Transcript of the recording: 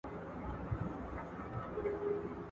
خراسان»... دا ټول پلانونه د هيواد له سیاسي او